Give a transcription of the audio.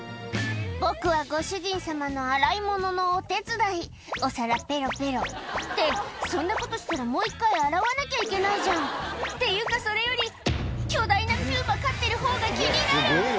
「僕はご主人様の洗い物のお手伝い」「お皿ペロペロ」ってそんなことしたらもう１回洗わなきゃいけないじゃんっていうかそれより巨大なピューマ飼ってるほうが気になる！